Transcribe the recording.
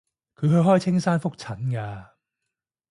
佢去開青山覆診㗎